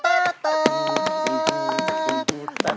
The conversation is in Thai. ขอบคุณครับ